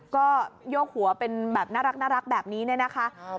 ก็โยกหัวเป็นแบบน่ารักแบบนี้เนี่ยนะคะ